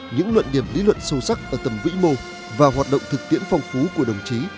những luận điểm lý luận sâu sắc ở tầm vĩ mô và hoạt động thực tiễn phong phú của đồng chí